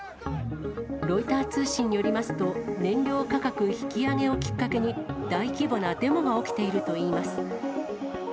ロイター通信によりますと、燃料価格引き上げをきっかけに、大規模なデモが起きているといいます。